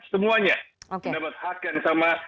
semuanya mendapat hak yang sama